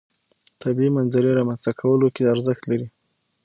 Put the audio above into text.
طبیعي منظرې رامنځته کولو کې ارزښت لري.